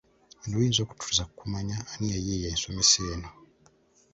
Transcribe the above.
Bino biyinza okututuusa ku kumanya ani yayiiya ensomesa eno.